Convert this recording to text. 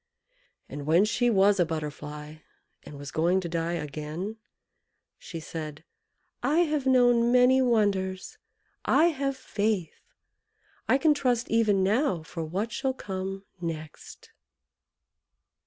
And when she was a Butterfly, and was going to die again, she said "I have known many wonders I have faith I can trust even now for what shall come next!"